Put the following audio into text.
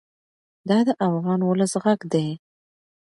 دا د افغان ولس غږ دی.